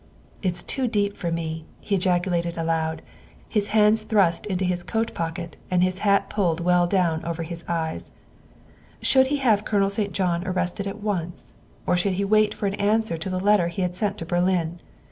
It's too deep for me," he ejaculated aloud, his hands thrust into his coat pocket and his hat pulled well down over his eyes. Should he have Colonel St. John arrested at once, or should he wait for an answer to the letter he had sent to Berlin ?